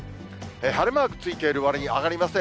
晴れマークついているわりに上がりません。